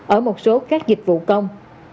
ở một số các dịch vụ công